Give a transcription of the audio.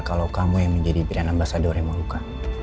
kalau kamu yang menjadi pilihan ambasadornya moluka